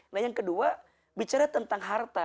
nah yang kedua bicara tentang harta